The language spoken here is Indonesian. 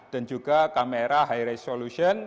dan juga kamera high resolution